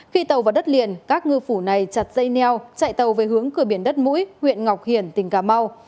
khi tàu vào đất liền các ngư phủ này chặt dây neo chạy tàu về hướng cửa biển đất mũi huyện ngọc hiển tỉnh cà mau